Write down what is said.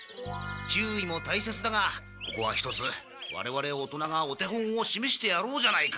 注意も大切だがここはひとつ我々大人がお手本を示してやろうじゃないか。